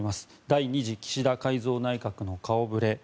第２次岸田改造内閣の顔触れ。